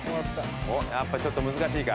おっやっぱちょっと難しいか？